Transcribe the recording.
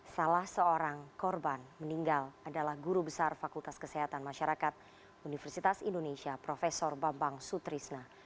salah seorang korban meninggal adalah guru besar fakultas kesehatan masyarakat universitas indonesia prof bambang sutrisna